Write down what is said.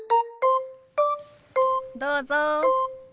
どうぞ。